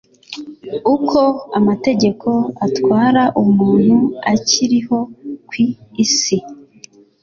uko amategeko atwara umuntu akiriho kwi isi